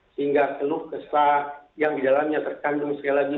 sehingga teluk kesah yang di dalamnya terkandung sekali lagi